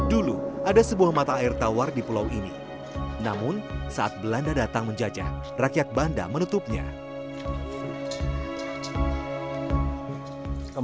dulu ada sebuah mata air tawar di pulau ini namun saat belanda datang menjajah rakyat banda menutupnya